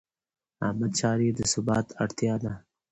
عامه چارې د ثبات اړتیا ده.